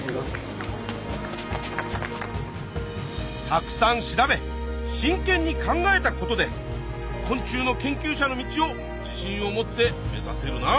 たくさん調べ真けんに考えたことで昆虫の研究者の道を自信を持って目指せるな！